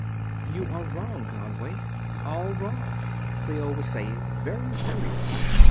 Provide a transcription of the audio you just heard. "You are wrong, Conway; all wrong," Clio was saying, very seriously.